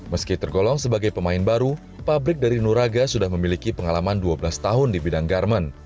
meski tergolong sebagai pemain baru pabrik dari nuraga sudah memiliki pengalaman dua belas tahun di bidang garmen